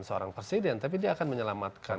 seorang presiden tapi dia akan menyelamatkan